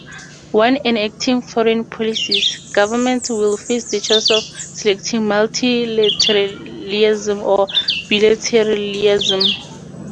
When enacting foreign policies, governments will face the choice of selecting multilateralism or bilateralism.